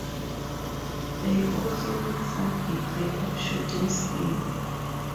They also need some degree of shooting skill.